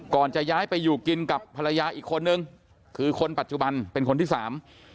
จะย้ายไปอยู่กินกับภรรยาอีกคนนึงคือคนปัจจุบันเป็นคนที่สาม